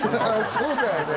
そうだよね